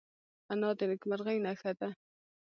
انا د نیکمرغۍ نښه ده